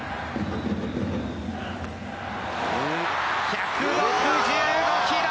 「１６５キロ。